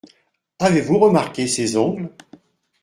Avez-vous remarqué ses ongles ?